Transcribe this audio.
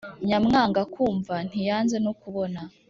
Nyamwanga kumva ntiyanze no kubona